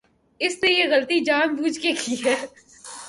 اس نے یہ غلطی جان بوجھ کے کی ہے۔